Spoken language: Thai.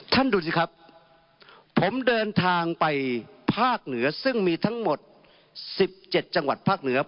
ท่านดูสิครับผมเดินทางไปภาคเหนือซึ่งมีทั้งหมด๑๗จังหวัดภาคเหนือ